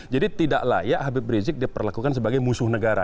jadi tidak layak habib rizieq diperlakukan sebagai musuh negara